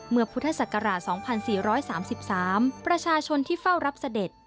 พุทธศักราช๒๔๓๓ประชาชนที่เฝ้ารับเสด็จ